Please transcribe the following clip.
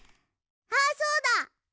あそうだ！